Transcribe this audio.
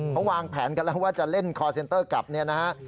เขาวางแผนกันแล้วว่าจะเล่นคอร์เซ็นเตอร์กลับเนี่ยนะฮะ